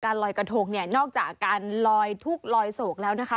ลอยกระทงเนี่ยนอกจากการลอยทุกข์ลอยโศกแล้วนะคะ